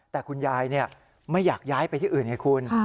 แต่คุณยายไม่อยากย้ายไปที่อื่นไงคุณ